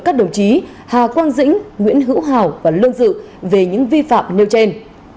các đồng chí hà quang dĩnh nguyễn hữu hào và lương dự về những vi phạm nêu trên